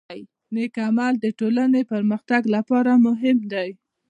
نیک عمل د ټولنې د پرمختګ لپاره مهم دی.